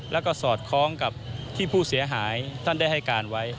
แล้วก็สอดคล้องกับที่ผู้เสียหายท่านได้ให้การไว้